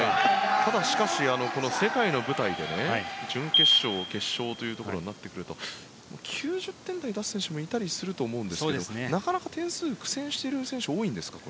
ただしかしこの世界の舞台で準決勝、決勝というところになってくると９０点台出す選手もいたりすると思うんですがなかなか点数、苦戦している選手が多いですかね。